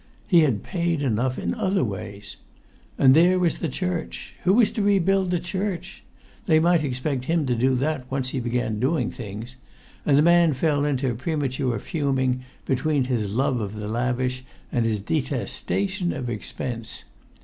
He had paid enough in other ways. And there was the church. Who was to rebuild the church? They might expect him to do that once he began doing things; and the man fell into premature fuming between his love of the lavish and his detestation of expense.